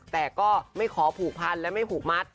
แต่ก็ไม่ขอผูกพันและไม่ผูกมัด